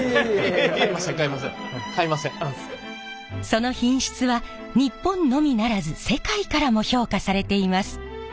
その品質は日本のみならず世界からも評価されています。